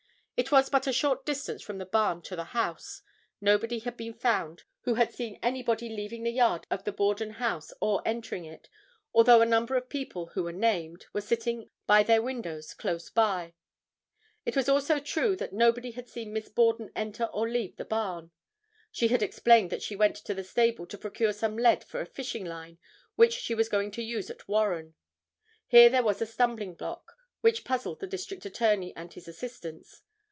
It was but a short distance from the barn to the house. Nobody had been found who had seen anybody leaving the yard of the Borden house or entering it, although a number of people, who were named, were sitting by their windows close by. It was also true that nobody had seen Miss Borden enter or leave the barn. She had explained that she went to the stable to procure some lead for a fish line, which she was going to use at Warren. Here there was a stumbling block which puzzled the District Attorney and his assistants.